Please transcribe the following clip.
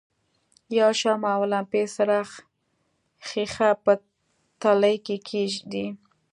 یوه شمع او لمپې څراغ ښيښه په تلې کې کیږدئ.